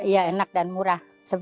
iya enak dan murah